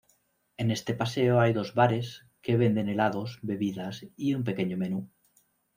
En este paseo hay dos bares que venden helados, bebidas y un pequeño menú.